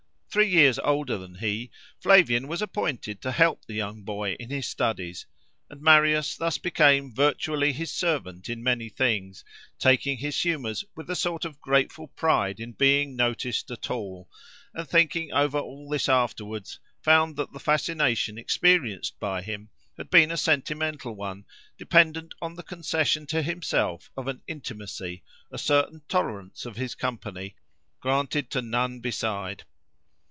Three years older than he, Flavian was appointed to help the younger boy in his studies, and Marius thus became virtually his servant in many things, taking his humours with a sort of grateful pride in being noticed at all, and, thinking over all this afterwards, found that the fascination experienced by him had been a sentimental one, dependent on the concession to himself of an intimacy, a certain tolerance of his company, granted to none beside.